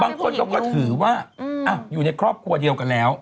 บางคนเขาก็ถือว่าอยู่ในครอบครัวเดียวกันแล้ว